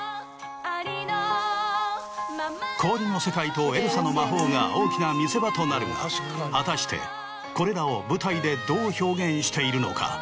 ありのままの氷の世界とエルサの魔法が大きな見せ場となるが果たしてこれらを舞台でどう表現しているのか？